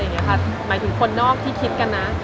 หมายถึงคนนอกที่คิดกันนะ